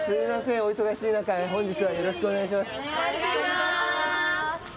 お忙しい中本日はよろしくお願いします。